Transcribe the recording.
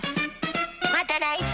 また来週！